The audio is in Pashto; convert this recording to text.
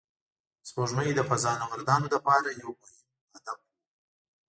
سپوږمۍ د فضانوردانو لپاره یو مهم هدف و